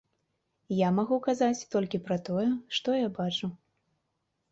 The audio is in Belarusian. Я магу казаць толькі пра тое, што я бачу.